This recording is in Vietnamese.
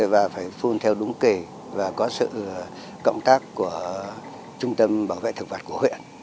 và phải phun theo đúng kể và có sự cộng tác của trung tâm bảo vệ thực vật của huyện